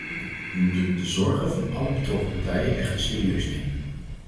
We moeten de zorgen van alle betrokken partijen echter serieus nemen.